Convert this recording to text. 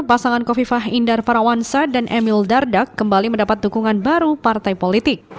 pasangan kofifah indar parawansa dan emil dardak kembali mendapat dukungan baru partai politik